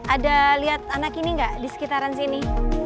ada lihat anak ini gak di sekitar sini